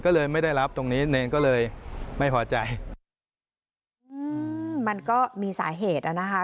ก็เลยไม่ได้รับตรงนี้เนรก็เลยไม่พอใจอืมมันก็มีสาเหตุอ่ะนะคะ